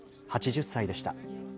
８０歳でした。